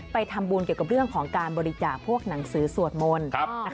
ไปทำบุญเกี่ยวกับเรื่องของการบริจาคพวกหนังสือสวดมนต์